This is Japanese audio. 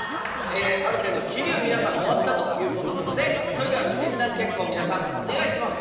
カルテの記入皆さん終わったということなのでそれでは診断結果を皆さんお願いします。